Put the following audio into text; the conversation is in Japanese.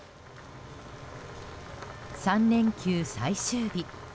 ３連休最終日。